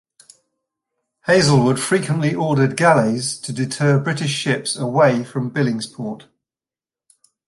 Hazelwood frequently ordered galleys to deter British ships away from Billingsport.